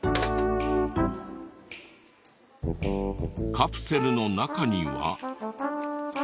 カプセルの中には。